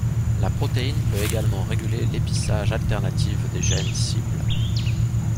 La protéine peut également réguler l'épissage alternatif des gènes cibles.